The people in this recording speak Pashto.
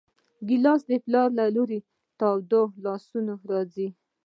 ګیلاس د پلار له تودو لاسونو راځي.